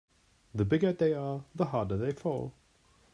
The bigger they are the harder they fall.